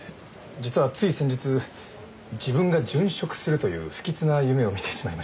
実はつい先日自分が殉職するという不吉な夢を見てしまいまして。